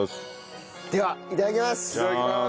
ではいただきます！